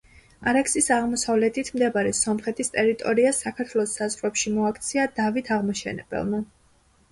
არაქსის აღმოსავლეთით მდებარე სომხეთის ტერიტორია, საქართველოს საზღვრებში მოაქცია დავით აღმაშენებელმა.